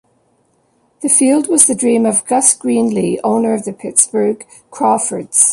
The field was the dream of Gus Greenlee, owner of the Pittsburgh Crawfords.